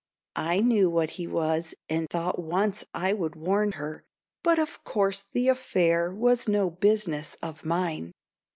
"I knew what he was, and thought once I would warn her, But of course the affair was no business of mine."